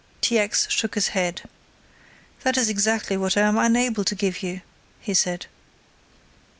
T. X. shook his head. "That is exactly what I am unable to give you," he said.